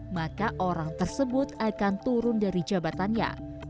maka orang tersebut akan turun dari jabatannya